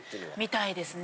みたいですね。